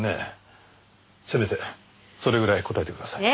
せめてそれぐらい答えてくださいよ。